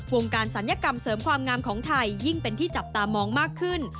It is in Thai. วงการศัลยกรรมเสริมความงามของไทยยิ่งเป็นที่จับตามองมากขึ้น